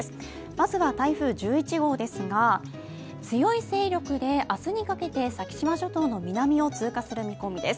まずは台風１１号ですが強い勢力で明日にかけて先島諸島の南を通過する見込みです。